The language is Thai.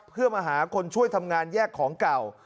เพื่อมาหาคนช่วยทำงานแยกของเก่า